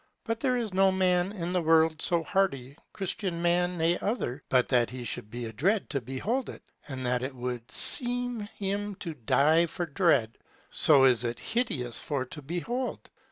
But there is no man in the world so hardy, Christian man ne other, but that he would be adread to behold it, and that it would seem him to die for dread, so is it hideous for to behold.